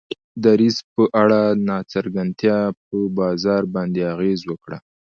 دریځ په اړه ناڅرګندتیا په بازار باندې اغیزه وکړه.